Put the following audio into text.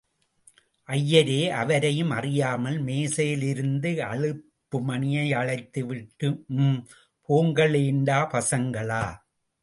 ஐயரோ அவரையும் அறியாமல் மேஜையிலிருந்த அழைப்பு மணியை அழுத்திவிட்டு, ம்... போங்களேண்டா பசங்களா!...